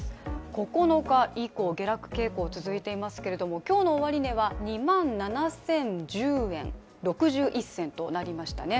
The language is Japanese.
９日以降、下落傾向続いていますけれども今日の終値は２万７０１０円６１銭となりましたね。